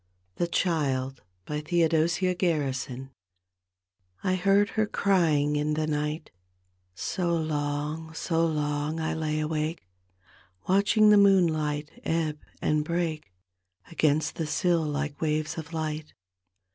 THE CHILD : theodosia gaksison I heard her crying in the night, — So long, so long I lay awake. Watching the moonlight ebb and break gainst the sill like waves of light.